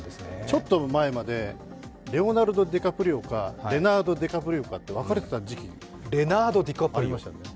ちょっと前までレオナルド・ディカプリオかレナード・ディカプリオかと分かれていた時期があった。